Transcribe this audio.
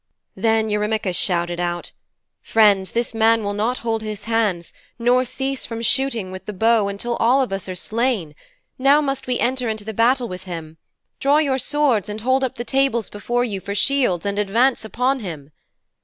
Then Eurymachus shouted out, 'Friends, this man will not hold his hands, nor cease from shooting with the bow, until all of us are slain. Now must we enter into the battle with him. Draw your swords and hold up the tables before you for shields and advance upon him.'